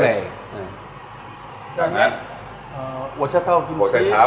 แล้วเนี่ยโหช่าเท้ากิมซี